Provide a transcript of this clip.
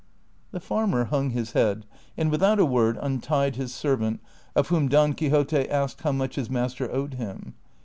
The farmer hung his head, and without a Avord untied his servant, of whom Don Quixote asked how. mucli his master owed him.